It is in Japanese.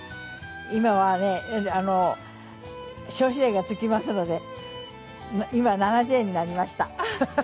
今はね、消費税がつきますので今、７０円になりました。